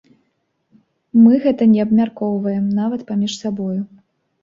Мы гэта не абмяркоўваем нават паміж сабою.